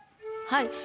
はい。